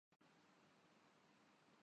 اس کے معانی کیا ہیں؟